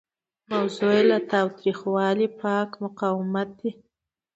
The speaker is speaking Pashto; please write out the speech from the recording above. موضوع یې له تاوتریخوالي پاک مقاومت دی.